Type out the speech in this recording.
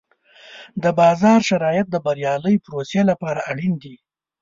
د بازار شرایط د بریالۍ پروسې لپاره اړین دي.